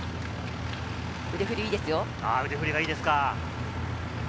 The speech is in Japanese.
腕振りいいですよ。